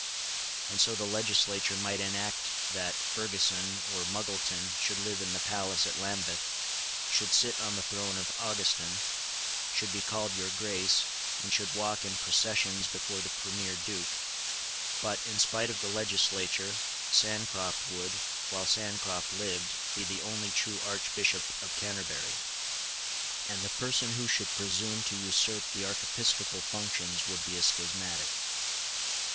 And so the legislature might enact that Ferguson or Muggleton should live in the palace at Lambeth, should sit on the throne of Augustin, should be called Your Grace, and should walk in processions before the Premier Duke; but, in spite of the legislature, Sancroft would, while Sancroft lived, be the only true Archbishop of Canterbury; and the person who should presume to usurp the archiepiscopal functions would be a schismatic.